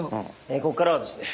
えーここからはですね